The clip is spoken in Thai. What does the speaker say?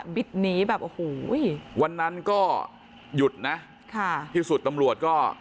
หนีแบบโอ้โหวันนั้นก็หยุดนะค่ะที่สุดตำรวจก็